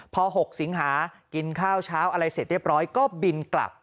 พอ๖สิงหากินข้าวเช้าอะไรเสร็จเรียบร้อยก็บินกลับ